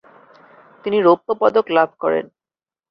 তিনি রৌপ্যপদক লাভ করেন।